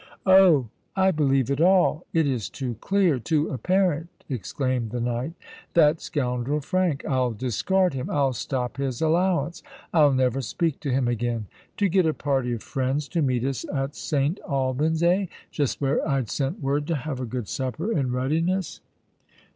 "Oh! I believe it all:—It is too clear—too apparent!" exclaimed the knight. "That scoundrel Frank—I'll discard him—I'll stop his allowance—I'll never speak to him again! To get a party of friends to meet us at St. Alban's—eh? Just where I'd sent word to have a good supper in readiness!"